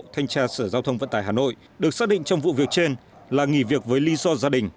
thanh tra sở giao thông vận tải hà nội được xác định trong vụ việc trên là nghỉ việc với lý do gia đình